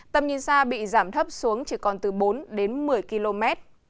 tầm nhìn xa bị giảm thấp xuống chỉ còn từ bốn đến một mươi km